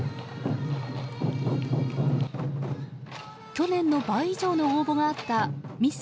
去年の倍以上の応募があったミス